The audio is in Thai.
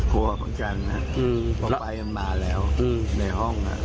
กลัวบางจานนะครับพอไปมาแล้วในห้อง